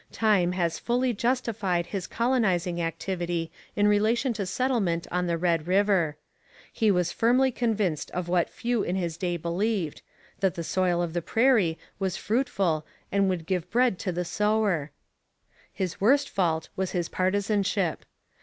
Time has fully justified his colonizing activity in relation to settlement on the Red River. He was firmly convinced of what few in his day believed that the soil of the prairie was fruitful and would give bread to the sower. His worst fault was his partisanship.